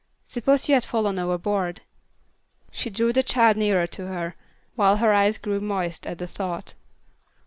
Suppose you had fallen overboard." She drew the child nearer to her, while her eyes grew moist at the thought.